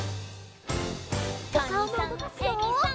「カニさんエビさん」